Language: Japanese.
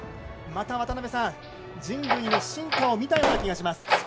また、人類の進化を見たような気がします。